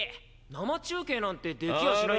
生中継なんてできやしないし。